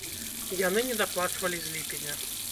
Яны недаплачвалі з ліпеня.